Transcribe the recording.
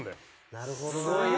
なるほどな。